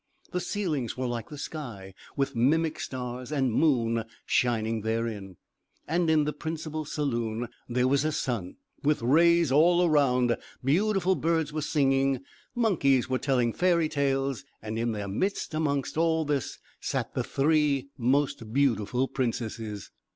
The ceilings were like the sky, with mimic stars and moon shining therein; and in the principal saloon there was a sun, with rays all round; beautiful birds were singing, monkeys were telling fairy tales; and in their midst amongst all this sat three most beautiful princesses.